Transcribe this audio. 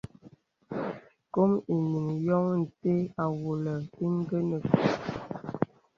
Kôm enīŋ yôŋ ntə́ avōlə īngə́nə́.